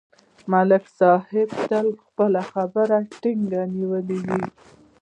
ملک صاحب تل خپله خبره ټینګه نیولې وي